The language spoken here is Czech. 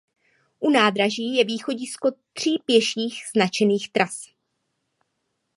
U nádraží je východisko tří pěších značených tras.